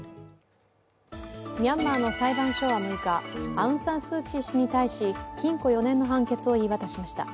ミャンマーの裁判所は６日アウン・サン・スー・チー氏に対し禁錮４年の判決を言い渡しました。